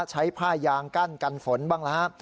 ใช้ผ้ายางกั้นกันฝนบ้างแล้วฮะ